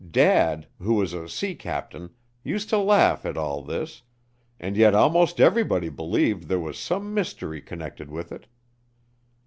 Dad, who was a sea captain, used to laugh at all this, and yet almost everybody believed there was some mystery connected with it.